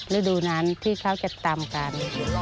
ฤดูนั้นที่เขาจะตำกัน